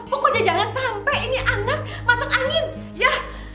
pokoknya jangan sampai ini anak masuk angin ya